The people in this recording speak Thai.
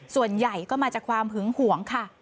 ส่วนใหญ่ก็มาจากความหึงหวงค่ะ